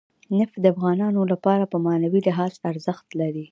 نفت د افغانانو لپاره په معنوي لحاظ ارزښت لري.